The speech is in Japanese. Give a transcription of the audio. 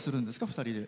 ２人で。